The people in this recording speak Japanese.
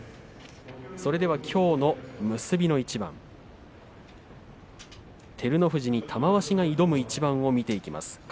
きょうの結びの一番照ノ富士に玉鷲が挑む一番を見ていきます。